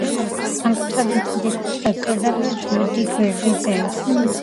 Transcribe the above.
სამკუთხედის დიდი კუთხის პირდაპირ დიდი გვერდი ძევს.